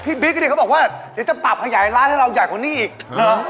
พี่บิ๊กเขาบอกว่าเดี๋ยวจะปรับขยายร้านให้เราใหญ่กว่านี้อีก